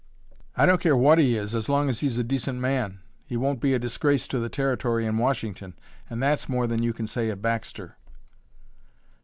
"I don't care what he is as long as he's a decent man. He won't be a disgrace to the Territory in Washington, and that's more than you can say of Baxter."